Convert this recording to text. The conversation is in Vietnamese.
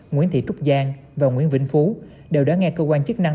nguyễn thị trúc giang và nguyễn vĩnh phú đều đã nghe cơ quan chức năng